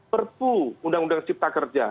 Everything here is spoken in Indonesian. perlu terkait undang undang sipta kerja